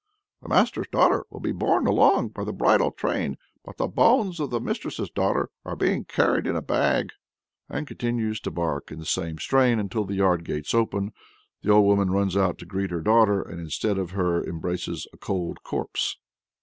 The master's daughter will be borne along by the bridal train, but the bones of the mistress's daughter are being carried in a bag," and continues to bark in the same strain until the yard gates open. The old woman runs out to greet her daughter, and "instead of her embraces a cold corpse."